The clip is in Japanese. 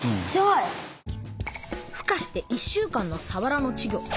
ふ化して１週間のさわらの稚魚。